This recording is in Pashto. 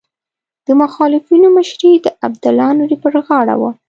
د مخالفینو مشري د عبدالله نوري پر غاړه وه.